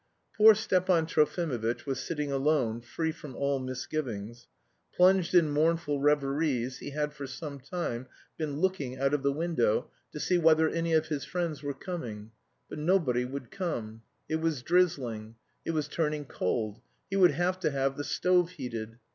Poor Stepan Trofimovitch was sitting alone free from all misgivings. Plunged in mournful reveries he had for some time been looking out of the window to see whether any of his friends were coming. But nobody would come. It was drizzling. It was turning cold, he would have to have the stove heated.